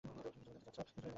তুমি কি চাচ্ছো?